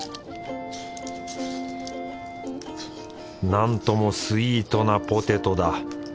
なんともスイートなポテトだ。